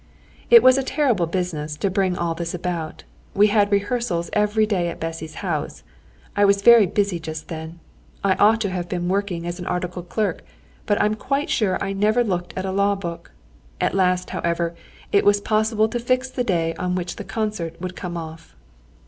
It was a terrible business to bring all this about. We had rehearsals every day at Bessy's house. I was very busy just then. I ought to have been working as an articled clerk, but I'm quite sure I never looked at a law book. At last, however, it was possible to fix the day on which the concert would come off.